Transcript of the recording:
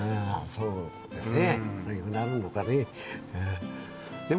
そうですよね